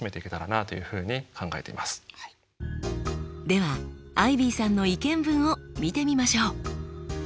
ではアイビーさんの意見文を見てみましょう。